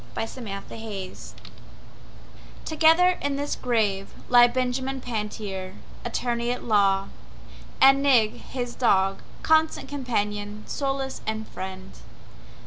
Benjamin Pantier Together in this grave lie Benjamin Pantier, attorney at law, And Nig, his dog, constant companion, solace and friend.